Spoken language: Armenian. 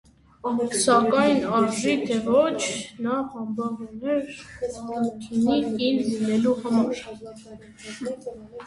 Սակայն, արժանի թե ոչ, նա համբավ ուներ առաքինի կին լինելու համար։